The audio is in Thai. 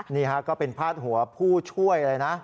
นี่ฮะก็เป็นพาดหัวผู้ช่วยเลยนะ